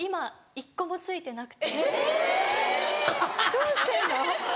・どうしてんの？